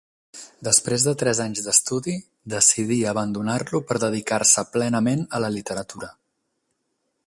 Després de tres anys d'estudi, decidí abandonar-lo per dedicar-se plenament a la literatura.